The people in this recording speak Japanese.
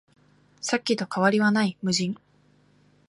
さっきと変わりはない、無人